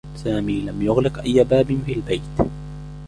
سامي لم يغلق أي باب في البيت.